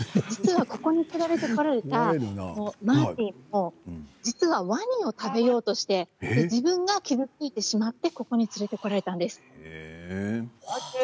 ここに連れて来られたマーティーも実はワニを食べようとして自分が傷ついてしまってここに連れて来られたんです。